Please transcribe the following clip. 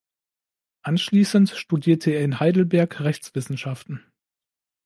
Anschließend studierte er in Heidelberg Rechtswissenschaft.